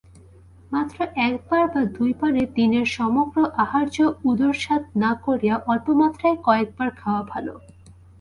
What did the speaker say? মাত্র একবার বা দুইবারে দিনের সমগ্র আহার্য উদরসাৎ না করিয়া অল্পমাত্রায় কয়েকবার খাওয়া ভাল।